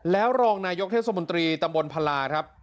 แล้วรองนายกเทศมนตรีตำบลพลาครับ